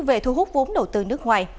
về thu hút vốn đầu tư nước ngoài